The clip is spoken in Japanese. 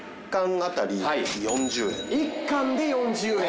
１貫で４０円。